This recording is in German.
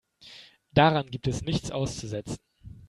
Daran gibt es nichts auszusetzen.